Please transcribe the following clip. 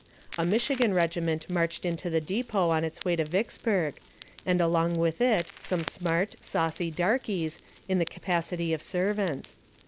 A Michigan regiment marched into the depot on its way to Vicksburg, and along with it some smart, saucy darkies, in the capacity of servants.